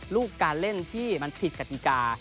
ลูกการเล่นที่มันผิดกติกา